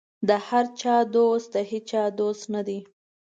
د هر چا دوست د هېچا دوست نه دی.